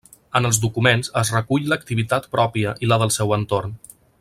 En els documents es recull l'activitat pròpia i la del seu entorn.